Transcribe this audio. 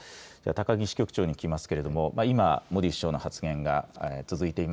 高木支局長に聞きますけれども、今、モディ首相の発言が続いてい